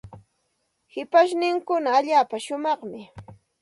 Ambo markapa shipashninkuna allaapa shumaqmi.